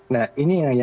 nah ini yang kelima